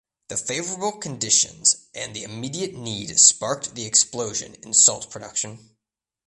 The favorable conditions and the immediate need sparked the explosion in salt production.